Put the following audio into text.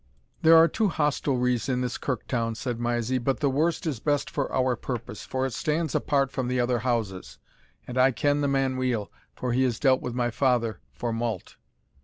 "There are two hostelries in this Kirk town," said Mysie, "but the worst is best for our purpose; for it stands apart from the other houses, and I ken the man weel, for he has dealt with my father for malt."